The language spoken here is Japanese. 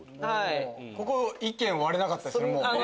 ここ意見割れなかったです。